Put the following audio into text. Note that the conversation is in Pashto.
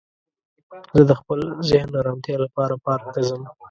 زه د خپل ذهن ارامتیا لپاره پارک ته ځم